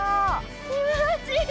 気持ちいい！